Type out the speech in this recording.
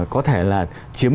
có thể là chiếm